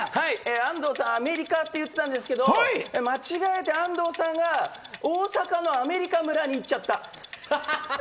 安藤さん、アメリカって言ったんですけど、間違えて安藤さんが大阪のアメリカ村に行っちゃった。